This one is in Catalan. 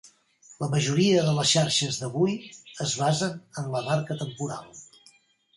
La majoria de les xarxes d'avui es basen en la marca temporal.